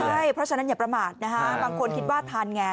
ใช่เพราะฉะนั้นอย่าประมาทนะฮะบางคนคิดว่าทันไง